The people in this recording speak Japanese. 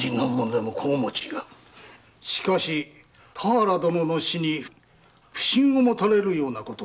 しかし田原殿の死に不審を持たれるようなことは？